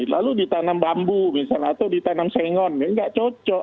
lalu ditanam bambu misalnya atau ditanam sengon ya nggak cocok